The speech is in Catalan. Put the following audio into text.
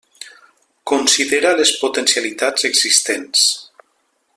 Considera les potencialitats existents.